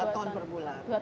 dua ton per bulan